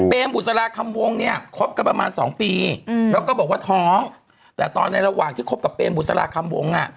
เป็นบุษราคำวงเนี่ยคบกันประมาณสองปีแล้วก็บอกว่าท้องแต่ตอนในระหว่างที่คบกับเปรมบุษราคำวงอ่ะ